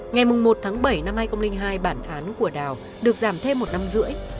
ngày một bảy hai nghìn hai bản án của đào được giảm thêm một năm rưỡi